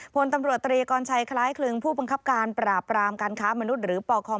พลตำรวจตรีกรชัยคล้ายคลึงผู้บังคับการปราบรามการค้ามนุษย์หรือปค